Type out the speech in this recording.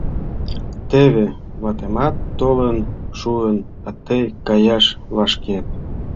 — Теве, ватемат толын шуын, а тый каяш вашкет.